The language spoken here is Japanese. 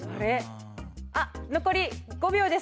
あっ残り５秒です。